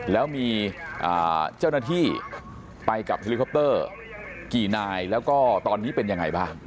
แล้วมีเจ้าหน้าที่ไปกับเฮลิคอปเตอร์กี่นายแล้วก็ตอนนี้เป็นยังไงบ้าง